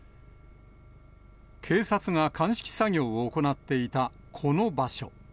警察が鑑識作業を行っていたこの場所。